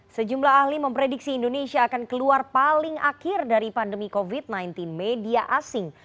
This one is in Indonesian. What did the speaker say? sejumlah ahli memprediksi indonesia akan keluar paling akhir dari pandemi covid sembilan belas media asing